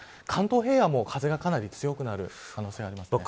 関東平野も風がかなり強くなる可能性があります。